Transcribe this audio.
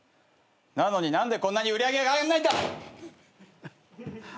なのに何でこんなに売り上げが上がんないんだ！